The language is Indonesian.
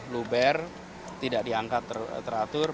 luber tidak diangkat teratur